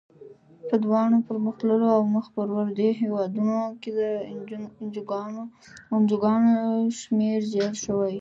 په دواړو پرمختللو او مخ پر ودې هېوادونو کې د انجوګانو شمیر زیات شوی.